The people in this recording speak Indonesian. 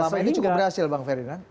sel sel ini cukup berhasil bang ferdinand